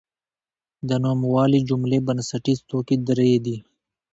د نوموالي جملې بنسټیز توکي درې دي.